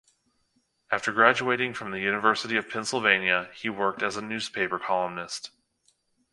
After graduating from the University of Pennsylvania he worked as a newspaper columnist.